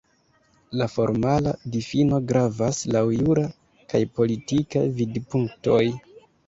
La formala difino gravas laŭ jura kaj politika vidpunktoj.